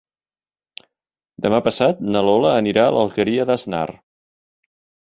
Demà passat na Lola anirà a l'Alqueria d'Asnar.